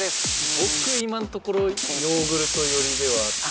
僕今のところヨーグルト寄りではあって。